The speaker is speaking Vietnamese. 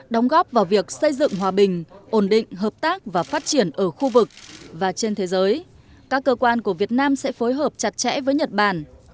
đóng góp vào việc xây dựng hòa bình ổn định hợp tác và phát triển ở khu vực và trên thế giới các cơ quan của việt nam sẽ phối hợp chặt chẽ với nhật bản